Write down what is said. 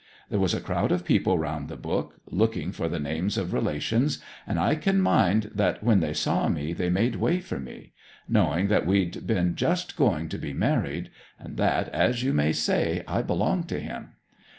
There was a crowd of people round the book, looking for the names of relations; and I can mind that when they saw me they made way for me knowing that we'd been just going to be married and that, as you may say, I belonged to him.